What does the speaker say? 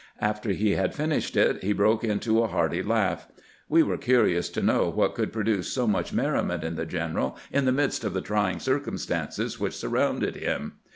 After 'he had finished it he broke into a hearty laugh. We were curious to know what could produce so much merriment in the general in the midst of the trying circumstances which surrounded him.